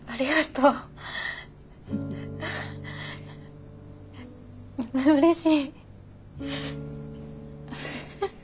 うれしい。